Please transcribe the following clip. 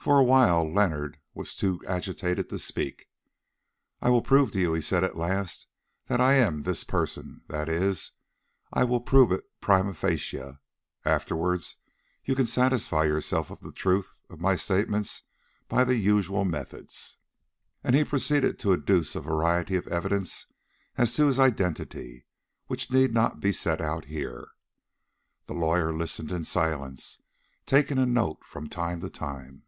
For a while Leonard was too agitated to speak. "I will prove to you," he said at last, "that I am this person, that is, I will prove it prima facie; afterwards you can satisfy yourself of the truth of my statements by the usual methods." And he proceeded to adduce a variety of evidence as to his identity which need not be set out here. The lawyer listened in silence, taking a note from time to time.